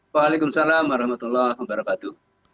waalaikumsalam warahmatullahi wabarakatuh